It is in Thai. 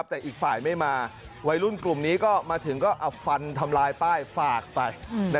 แต่อีกฝ่ายไม่มาวัยรุ่นกลุ่มนี้ก็มาถึงก็เอาฟันทำลายป้ายฝากไป